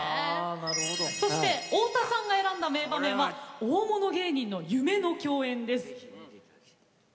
さらに太田さんが選んだ名場面は大物芸人の夢の共演です。